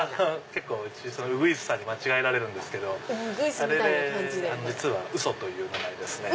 結構うち鶯さんに間違えられるんですけどあれでウソという名前ですね。